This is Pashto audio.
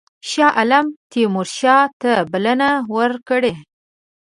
شاه عالم تیمورشاه ته بلنه ورکړې.